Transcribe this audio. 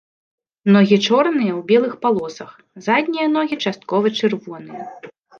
Ногі чорныя, у белых палосах, заднія ногі часткова чырвоныя.